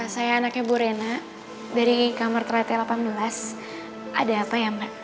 saya anaknya bu rena dari kamar teratnya delapan belas ada apa ya mbak